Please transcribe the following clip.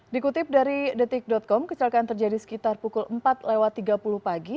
dikutip dari detik com kecelakaan terjadi sekitar pukul empat lewat tiga puluh pagi